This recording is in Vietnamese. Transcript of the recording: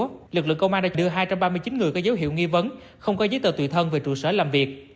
trước đó lực lượng công an đã đưa hai trăm ba mươi chín người có dấu hiệu nghi vấn không có giấy tờ tùy thân về trụ sở làm việc